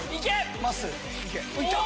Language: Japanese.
まっすー。